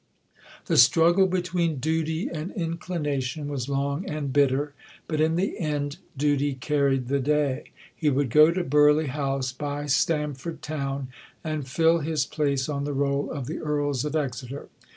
The struggle between duty and inclination was long and bitter; but in the end duty carried the day. He would go to "Burghley House by Stamford Town," and fill his place on the roll of the Earls of Exeter.